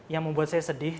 yang membuat saya sedih